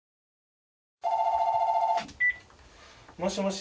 ☎もしもし？